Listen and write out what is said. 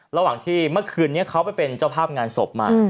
ระหว่างที่เมื่อคืนนี้เขาไปเป็นเจ้าภาพงานศพมา